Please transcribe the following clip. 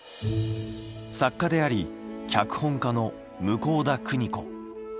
作家であり脚本家の向田邦子。